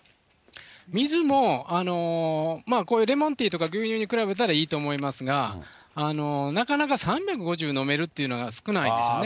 水も、こういうレモンティーとか牛乳に比べたらいいと思いますが、なかなか３５０飲めるっていうのが少ないんでしょうね。